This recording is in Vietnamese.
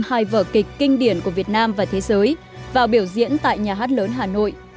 hai vở kịch kinh điển của việt nam và thế giới vào biểu diễn tại nhà hát lớn hà nội